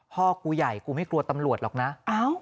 พ่อกูใหญ่กูไม่กลัวตำรวจหรอกนะ